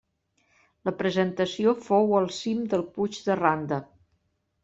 La presentació fou al cim del Puig de Randa.